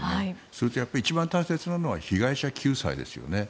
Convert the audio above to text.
それと一番大切なのは被害者救済ですよね。